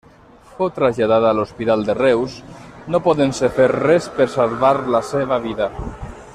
Fou traslladada a l'Hospital de Reus, no podent-se fer res per salvar la seva vida.